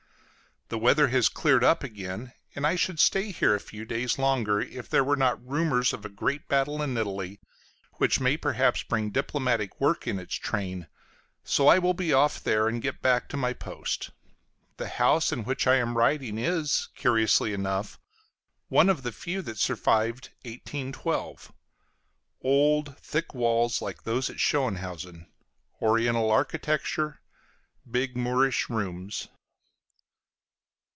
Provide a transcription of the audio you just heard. The weather has cleared up again, and I should stay here a few days longer if there were not rumors of a great battle in Italy, which may perhaps bring diplomatic work in its train, so I will be off there and get back to my post. The house in which I am writing is, curiously enough, one of the few that survived 1812; old, thick walls, like those at Schönhausen, Oriental architecture, big Moorish rooms.